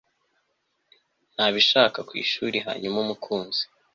Ntabishaka ku ishuri Hanyuma umukunzi